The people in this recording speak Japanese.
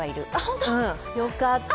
よかった。